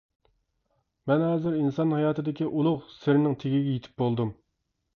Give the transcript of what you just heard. مەن ھازىر ئىنسان ھاياتىدىكى ئۇلۇغ سىرنىڭ تېگىگە يېتىپ بولدۇم.